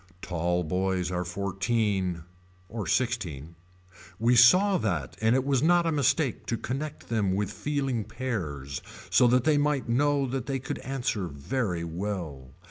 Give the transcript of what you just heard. Tall boys are fourteen. Or sixteen. We saw that and it was not a mistake to connect them with feeling pears so that they might know that they could answer very well.